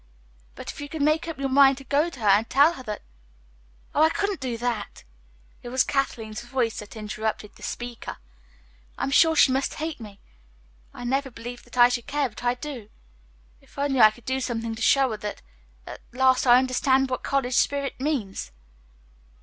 But if you could make up your mind to go to her and tell her that " "Oh, I couldn't do that." It was Kathleen's voice that interrupted the speaker. "I am sure she must hate me. I never believed that I should care, but I do. If only I could do something to show her that at last I understand what college spirit means."